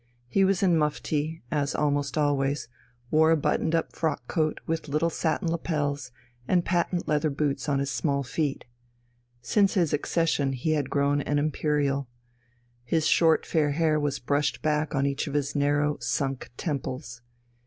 He was in mufti, as almost always, wore a buttoned up frock coat with little satin lapels, and patent leather boots on his small feet. Since his accession he had grown an imperial. His short fair hair was brushed back on each of his narrow, sunk temples.